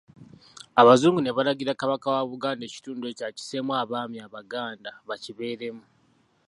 Abazungu ne balagira, Kabaka w'e Buganda ekitundu ekyo akisseemu abaami Abaganda bakibeeremu.